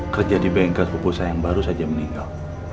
kerja di bengkel pupusa yang baru saja meninggal